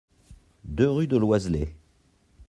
deux rue de Loiselet